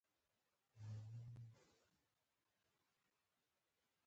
دا فاصله له لومړۍ قوریې څخه دوه یا درې ځلې زیاته وي.